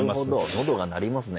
喉が鳴りますね